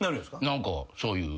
何かそういう。